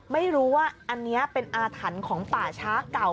ไม่รู้ว่าอันนี้เป็นอาถรรพ์ของป่าช้าเก่า